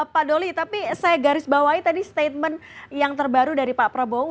pak doli tapi saya garis bawahi tadi statement yang terbaru dari pak prabowo